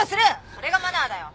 それがマナーだよ。